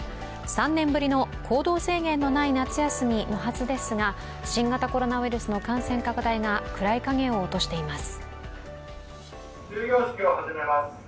３年ぶりの行動制限のない夏休みのはずですが、新型コロナウイルスの感染拡大が暗い影を落としています。